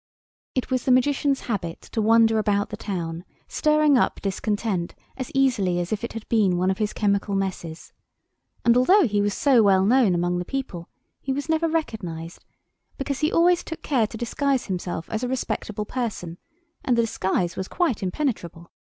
It was the Magician's habit to wander about the town stirring up discontent as easily as if it had been one of his chemical messes; and though he was so well known among the people he was never recognised, because he always took care to disguise himself as a respectable person, and the disguise was quite impenetrable.